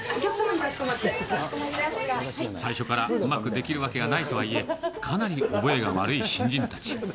最初からうまくできるわけはないとはいえ、かなり覚えが悪い新人たち。